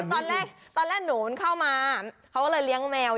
ตอนแรกตอนแรกหนูเข้ามาเขาก็เลยเลี้ยงแมว